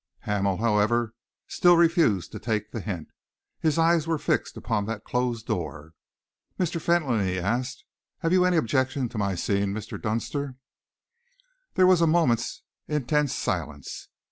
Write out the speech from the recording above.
Hamel, however, still refused to take the hint. His eyes were fixed upon that closed door. "Mr. Fentolin," he asked, "have you any objection to my seeing Mr. Dunster?" There was a moment's intense silence.